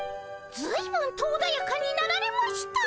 ずいぶんとおだやかになられました。